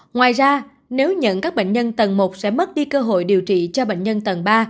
ngoài ra nếu nhận các bệnh nhân tầng một sẽ mất đi cơ hội điều trị cho bệnh nhân tầng ba